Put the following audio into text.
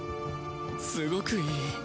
すごくいい。